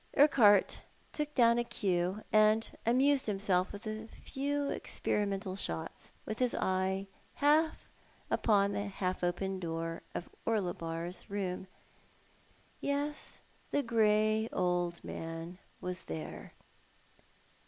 Urquhart took down cue, and amused himself with a few experimental shots, with his eye upon the half open door of Orlebar's room. Yes, the grey old man was there.